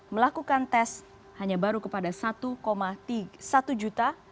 melakukan tes hanya baru kepada satu satu juta